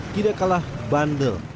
tidak kalah bandel